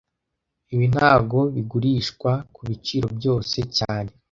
Ibi ntago bigurishwa kubiciro byose cyane